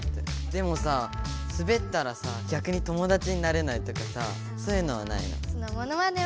でもさすべったらさぎゃくに友だちになれないとかさそういうのはないの？